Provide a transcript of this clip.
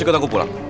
kau tak peduli